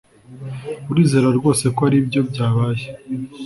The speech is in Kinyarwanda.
Urizera rwose ko aribyo byabaye